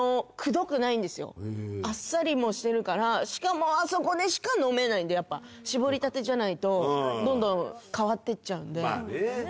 へえあっさりもしてるからしかもあそこでしか飲めないんでやっぱ搾りたてじゃないとどんどん変わっていっちゃうんでまあね